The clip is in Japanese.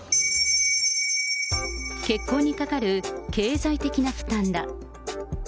結婚にかかる経済的な負担だ。